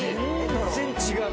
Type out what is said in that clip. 全然違う。